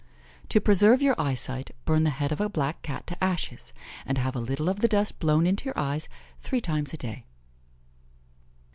To preserve your eyesight, burn the head of a black Cat to ashes, and have a little of the dust blown into your eyes three times a day.